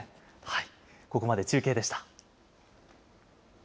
ここまで中継でした。